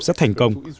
rất thành công